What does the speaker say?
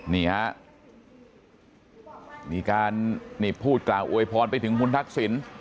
นี่ฮะมีการนี่พูดกล่าวอวยพรไปถึงคุณทักษิณ